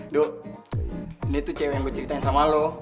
dok ini tuh cewek yang gue ceritain sama lo